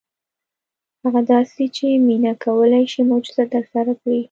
هغه داسې چې مينه کولی شي معجزه ترسره کړي.